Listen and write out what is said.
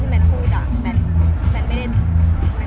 แม็กซ์ก็คือหนักที่สุดในชีวิตเลยจริง